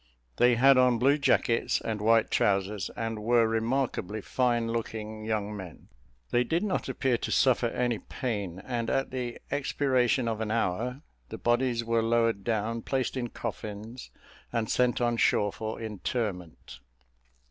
They had on blue jackets and white trousers, and were remarkably fine looking young men. They did not appear to suffer any pain, and at the expiration of an hour, the bodies were lowered down, placed in coffins, and sent on shore for interment.